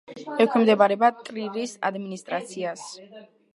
ექვემდებარება ტრირის ადმინისტრაციას.